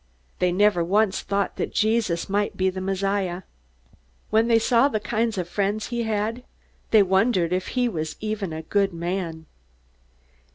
They never once thought that Jesus might be the Messiah. When they saw the kind of friends he had, they wondered if he was even a good man.